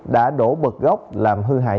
đã đổ bật góc làm hư hại